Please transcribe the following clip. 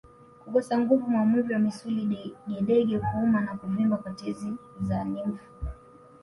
Kukosa nguvu maumivu ya misuli degedege kuuma na kuvimba kwa tezi za limfu